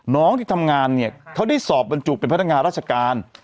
น้องที่ทำงานเนี่ยเขาได้สอบบรรจุเป็นพนักงานราชการ